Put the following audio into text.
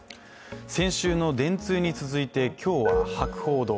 先週の電通に続いて、今日は博報堂。